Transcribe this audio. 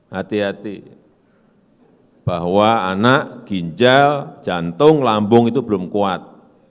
hati hati bahwa anak ginjal jantung lambung itu belum kuat